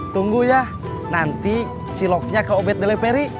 tunggu ya nanti ciloknya ke obet leperi